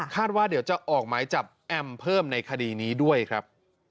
ว่าเดี๋ยวจะออกหมายจับแอมเพิ่มในคดีนี้ด้วยครับ